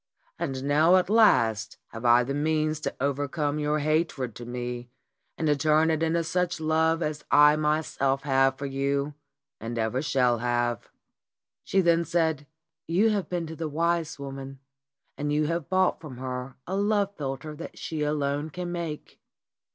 And now at last have I the means to overcome your hatred to me, and to turn it into such love as I myself have for you and ever shall have." She then said : "You have been to the wise woman, and you have bought from her a love philter that she alone can make."